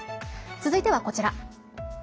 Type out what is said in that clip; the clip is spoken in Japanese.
続いては、こちら。